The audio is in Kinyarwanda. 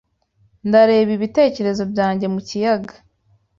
Ndareba ibitekerezo byanjye mu kiyaga.